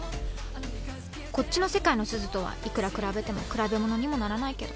こっちの世界のすずとはいくら比べても比べものにもならないけど。